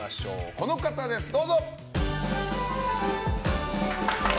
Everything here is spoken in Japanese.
この方です、どうぞ。